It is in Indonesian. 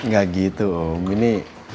gak gitu om ini